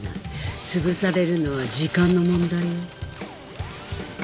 つぶされるのは時間の問題よ